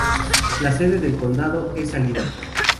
La sede del condado es Salida.